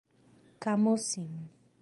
Camocim